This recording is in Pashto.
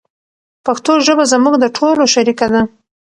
پښتو ژبه زموږ د ټولو شریکه ده.